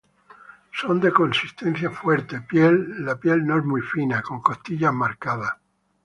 Son de consistencia fuerte, piel no es muy fina, con costillas marcadas.